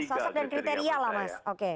sosok dan kriteria lah mas